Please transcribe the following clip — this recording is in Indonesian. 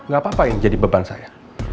gak apa apa yang jadi beban saya